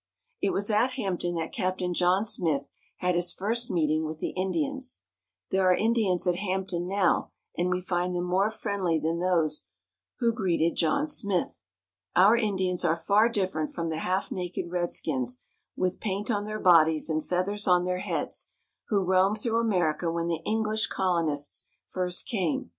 It was at Hampton that Captain John Smith had his first meeting with the Indians. There are Indians at Hampton now, and we find them more friendly than those who greeted John Smith. Our Indians are far different from the half naked redskins, with paint on their bodies and feathers on their heads, who roamed through America when the English colonists first came.